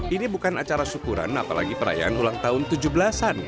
ini bukan acara syukuran apalagi perayaan ulang tahun tujuh belas an